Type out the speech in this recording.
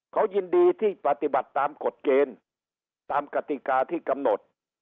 เขายินดีที่ปฏิบัติตามกฎเกณฑ์ตามกติกาที่กำหนด